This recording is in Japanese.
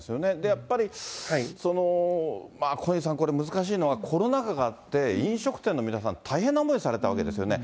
やっぱり小西さん、これ、難しいのは、コロナ禍があって、飲食店の皆さん、大変な思いされたわけですよね。